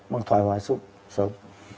bằng thoải hóa sụn sớm